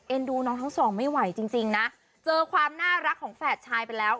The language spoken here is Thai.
ดูน้องทั้งสองไม่ไหวจริงจริงนะเจอความน่ารักของแฝดชายไปแล้ว